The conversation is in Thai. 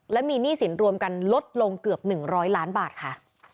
และมีหนี้สินรวมกันลดลงเกือบ๑๐๐ล้านบาทค่ะ